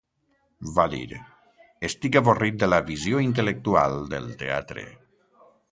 Va dir: "Estic avorrit de la visió intel·lectual del teatre".